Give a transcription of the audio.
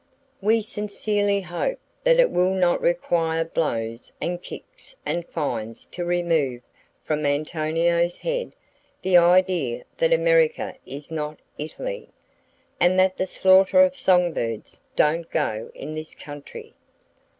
We sincerely hope that it will not require blows and kicks and fines to remove from Antonio's head the idea that America is not Italy, and that the slaughter of song birds "don't go" in this country.